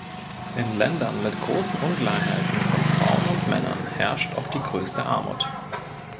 In Ländern mit großen Ungleichheiten von Frauen und Männern herrscht auch die größte Armut.